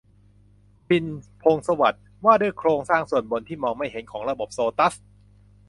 พิชญ์ พงษ์สวัสดิ์ : ว่าด้วยโครงสร้างส่วนบน ที่มองไม่เห็น ของระบบโซตัส